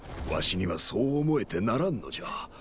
わしにはそう思えてならんのじゃ。